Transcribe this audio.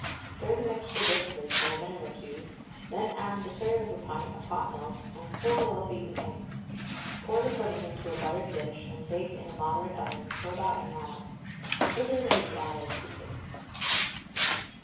Stir the mixture briskly for a minute or two, then add the third of a pint of hot milk and four well beaten eggs. Pour the pudding into a buttered dish, and bake in a moderate oven for about an hour. Sugar may be added to taste.